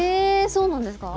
そうなんですか？